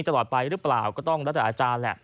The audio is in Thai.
ตลอดไปหรือเปล่าก็ต้องแล้วแต่อาจารย์แหละ